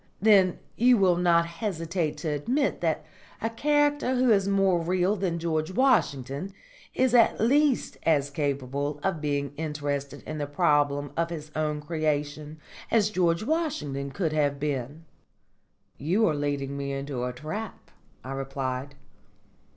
"Then you will not hesitate to admit that a character who is more real than George Washington is at least as capable of being interested in the problem of his own creation as George Washington could have been." "You are leading me into a trap," I replied.